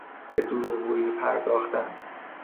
به دروغگویی پرداختن